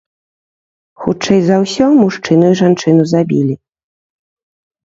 Хутчэй за ўсё, мужчыну і жанчыну забілі.